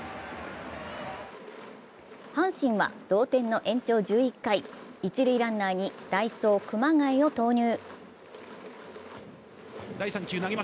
阪神は同点の延長１１回、一塁ランナーに代走・熊谷を投入。